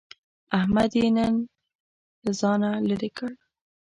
احمد يې له ځانه لرې کړ.